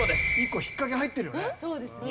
１個引っかけ入ってるよね？